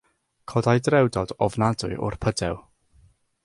Codai drewdod ofnadwy o'r pydew.